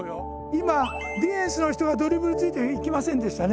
今ディフェンスの人がドリブルついていきませんでしたね。